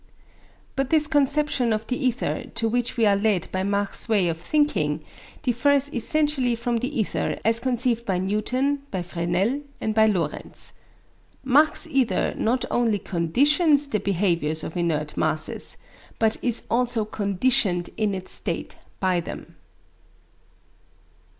But this conception of the ether to which we are led by Mach's way of thinking differs essentially from the ether as conceived by Newton, by Fresnel, and by Lorentz. Mach's ether not only conditions the behaviour of inert masses, but is also conditioned in its state by them.